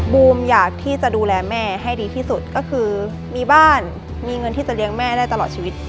บูมอยากที่จะดูแลแม่ให้ดีที่สุดก็คือมีบ้านมีเงินที่จะเลี้ยงแม่ได้ตลอดชีวิต